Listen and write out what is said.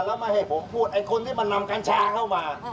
แล้วไม่ให้ผมพูดไอ้คนที่มันนำกัญชาเข้ามา